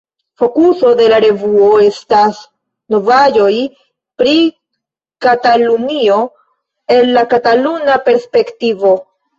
Fokuso de la revuo estas novaĵoj pri Katalunio el la kataluna perspektivo.